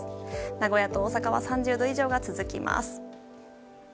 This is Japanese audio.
名古屋と大阪は３０度以上が続きます。